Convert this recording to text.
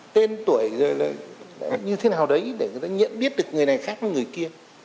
tên tuổi như thế nào đấy để người ta nhận biết được người này khác với người kia